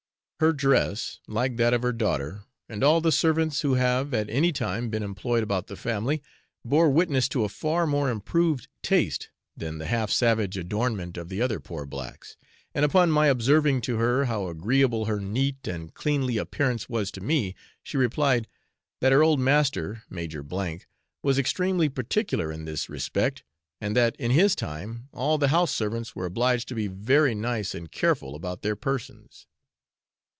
Her dress, like that of her daughter, and all the servants who have at any time been employed about the family, bore witness to a far more improved taste than the half savage adornment of the other poor blacks, and upon my observing to her how agreeable her neat and cleanly appearance was to me, she replied, that her old master (Major ) was extremely particular in this respect, and that in his time all the house servants were obliged to be very nice and careful about their persons.